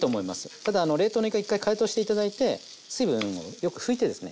ただ冷凍のいか一回解凍して頂いて水分よく拭いてですね